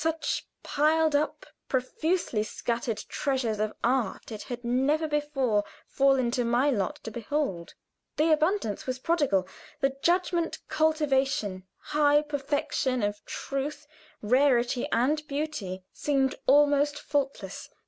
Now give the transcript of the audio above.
Such piled up, profusely scattered treasures of art it had never before fallen to my lot to behold. The abundance was prodigal; the judgment, cultivation, high perception of truth, rarity and beauty, seemed almost faultless.